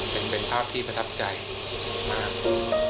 เป็นภาพที่ประทับใจมาก